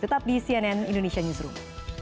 tetap di cnn indonesia newsroom